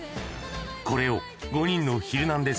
これを５人のヒルナンデス！